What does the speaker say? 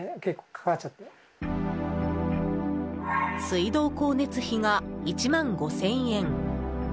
水道光熱費が１万５０００円